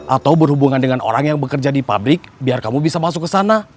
atau berhubungan dengan orang yang bekerja di pabrik biar kamu bisa masuk ke sana